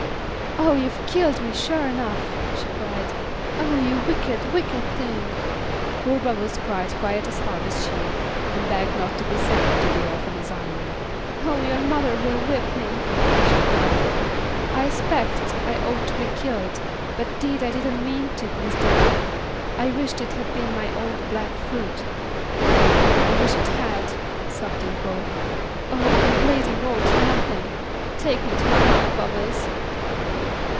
"Oh, you've killed me, sure enough," she cried. "Oh, you wicked, wicked thing!" Poor Bubbles cried quite as hard as she, and begged not to be sent to the orphan asylum. "Oh! your mother will whip me," she cried. "I 'spect I ought to be killed, but 'deed I didn't mean to, Miss Dimple; I wisht it had been my old black foot." "I wish it had," sobbed Dimple. "Oh, I am bleeding all to nothing! Take me to mamma, Bubbles!"